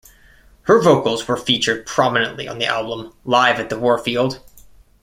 Her vocals were featured prominently on the album "Live at the Warfield".